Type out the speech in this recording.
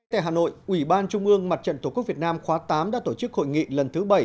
tại hà nội ủy ban trung ương mặt trận tổ quốc việt nam khóa tám đã tổ chức hội nghị lần thứ bảy